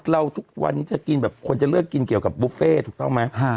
ทุกวันนี้จะกินแบบคนจะเลือกกินเกี่ยวกับบุฟเฟ่ถูกต้องไหม